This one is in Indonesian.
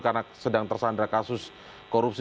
karena sedang tersandar kasus korupsi